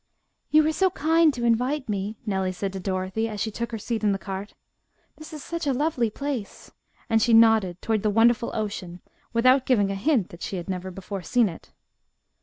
"You were so kind to invite me!" Nellie said to Dorothy, as she took her seat in the cart. "This is such a lovely place!" and she nodded toward the wonderful ocean, without giving a hint that she had never before seen it.